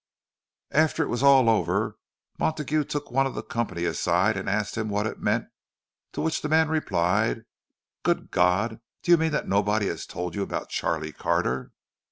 After it was all over, Montague took one of the company aside and asked him what it meant; to which the man replied: "Good God! Do you mean that nobody has told you about Charlie Carter?"